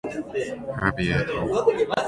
Harbury "et al.